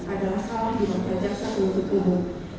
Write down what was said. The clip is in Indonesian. adalah salah di bawah jasa penuntut umum